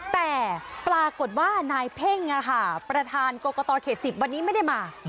แต่ปรากฏว่านายเพ่งประธานกรกตเขต๑๐วันนี้ไม่ได้มา